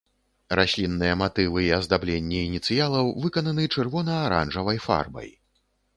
Раслінныя матывы і аздабленні ініцыялаў выкананы чырвона-аранжавай фарбай.